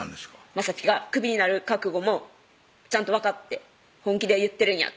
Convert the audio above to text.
まさぴが「クビになる覚悟もちゃんと分かって本気で言ってるんや」